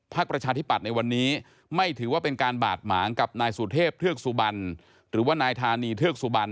ภาคประชาธิปัตย์ในวันนี้ไม่ถือว่าเป็นการบาดหมางกับนายสูตเทพเทือกสุบัน